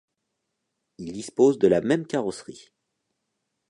Il dispose de la même carrosserie.